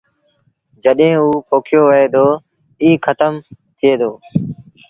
جڏهيݩٚ اوٚ پوکيو وهي دو ائيٚݩٚ کتم ٿئي دو